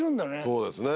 そうですね。